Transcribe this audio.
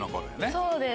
そうです。